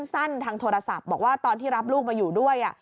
สั้นทางโทรศัพท์บอกว่าตอนที่รับลูกมาอยู่ด้วย